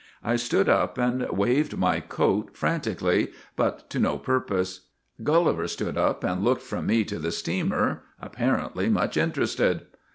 I GULLIVER THE GREAT 17 stood up and waved my coat frantically, but to no purpose. Gulliver stood up and looked from me to the steamer, apparently much interested.